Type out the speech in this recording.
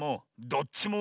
どっちも？